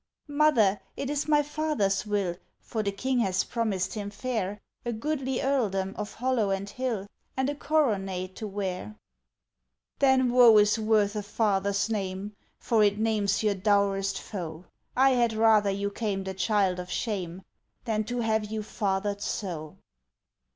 "Mother, it is my father's will, For the King has promised him fair A goodly earldom of hollow and hill, And a coronet to wear." "Then woe is worth a father's name, For it names your dourest foe! I had rather you came the child of shame Than to have you fathered so."